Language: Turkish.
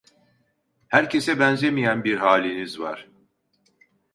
Herkese benzemeyen bir haliniz var…